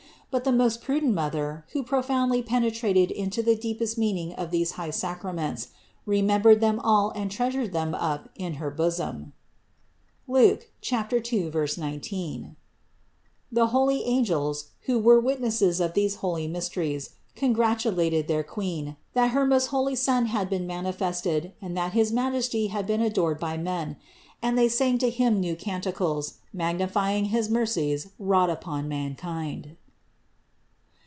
But the most prudent Mother, who profoundly penetrated into the deepest meaning of these high sacraments, remembered them all and treasured them up in her bosom (Luke 2, 19). The holy angels, who were witnesses of these holy mysteries, congratu lated their Queen, that her most holy Son had been mani fested and that his Majesty had been adored by men; and they sang to Him new canticles, magnifying his mercies wrought upon mankind.